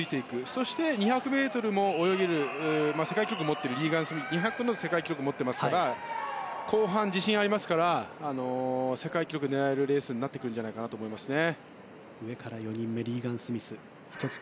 そして２００ｍも泳げるリーガン・スミスは２００の世界記録を持っていますから後半、自信がありますから世界記録を狙えるレースになってくるんじゃないかなと思いますね。